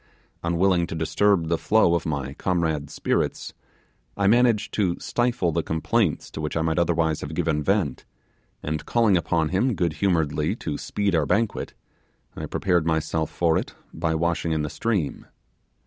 Unwilling to disturb the flow of my comrade's spirits, I managed to stifle the complaints to which I might otherwise have given vent, and calling upon him good humouredly to speed our banquet, I prepared myself for it by washing in the stream.